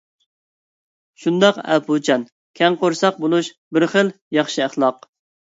شۇنداق ئەپۇچان، كەڭ قورساق بولۇش بىر خىل ياخشى ئەخلاق.